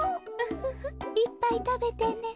フフフいっぱいたべてね。